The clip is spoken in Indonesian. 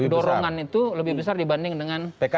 dorongan itu lebih besar dibanding dengan pkb